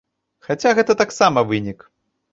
Хаця гэта таксама вынік.